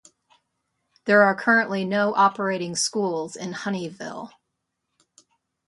There are currently no operating schools in Honeyville.